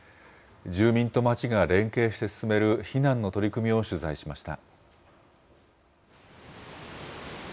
住民と町が連携して進める避難の取り組みを取材しました。